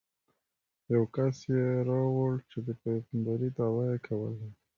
یو کس یې راوړ چې د پېغمبرۍ دعوه یې کوله.